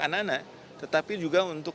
anak anak tetapi juga untuk